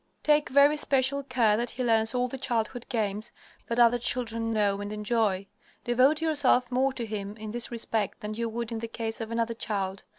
Take very special care that he learns all the childhood games that other children know and enjoy. Devote yourself more to him in this respect than you would in the case of another child.